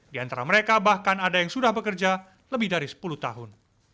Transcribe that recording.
di antara mereka bahkan ada yang sudah bekerja lebih dari sepuluh tahun